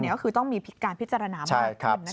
ก็คือต้องมีการพิจารณามากขึ้น